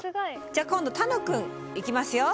じゃあ今度楽くんいきますよ。